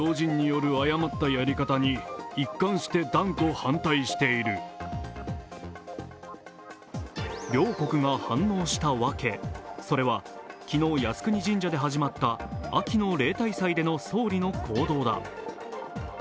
そして中国も両国が反応したわけ、それは昨日靖国神社で始まった秋の例大祭での総理の行動だ。